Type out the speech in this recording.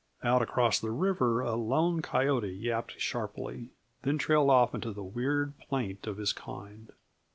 Out across the river a lone coyote yapped sharply, then trailed off into the weird plaint of his kind.